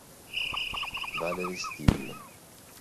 Valerie Still